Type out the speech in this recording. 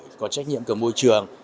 và có trách nhiệm của mọi người